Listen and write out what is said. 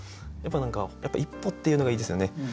やっぱ「一歩」っていうのがいいですよね。